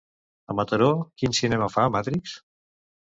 A Mataró quin cinema fa "Matrix"?